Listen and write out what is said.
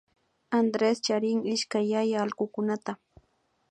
Andrés charin ishkay yaya allkukunata